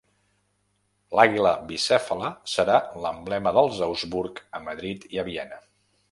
L'àguila bicèfala serà l'emblema dels Habsburg a Madrid i a Viena.